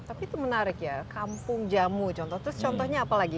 tapi itu menarik ya kampung jamu contohnya apa lagi